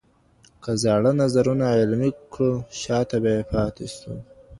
که زاړه نظرونه عملي کړو شا ته به پاتې سو.